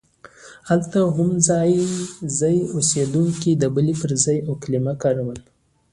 هلته هم ځایي اوسېدونکو د بلې پر ځای اوو کلمه کاروله.